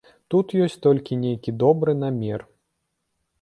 Тут ёсць толькі нейкі добры намер.